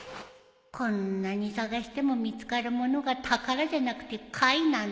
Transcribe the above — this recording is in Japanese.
こんなに探しても見つかる物が宝じゃなくて貝なんてね